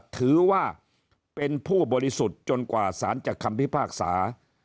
ถือว่าเป็นผู้บริสุทธิ์จนกว่าสารจะคำพิพากษา